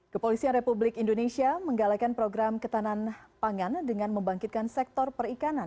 kepolisian republik indonesia menggalakan program ketahanan pangan dengan membangkitkan sektor perikanan